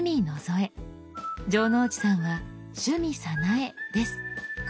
城之内さんは「趣味早苗」です。